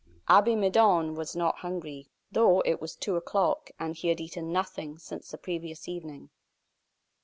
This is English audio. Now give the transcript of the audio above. Abbe Midon was not hungry, though it was two o'clock, and he had eaten nothing since the previous evening.